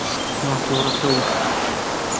ماتۆڕەکە وەستا.